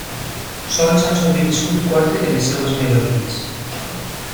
Sols han sobreviscut quatre de les seues melodies.